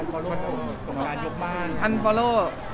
ข่าวทอถอาร์โฟโร